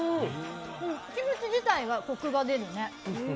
キムチ自体はコクが出るね。